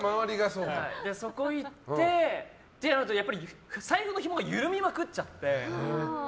そこ行ってってなると財布のひもが緩みまくっちゃって。